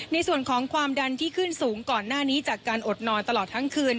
ในส่วนของความดันที่ขึ้นสูงก่อนหน้านี้จากการอดนอนตลอดทั้งคืน